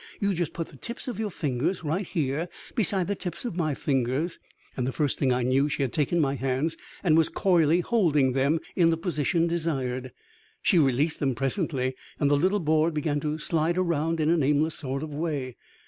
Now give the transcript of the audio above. You just put the tips of your fingers right here beside the tips of my fingers " And the first thing I knew she had taken my hands and was coyly holding them in the position desired. She released them presently, and the little board began to slide around in an aimless sort of way.